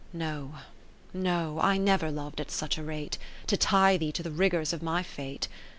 No, no, I never lov'd at such a rate, To tie thee to the rigours of my fate.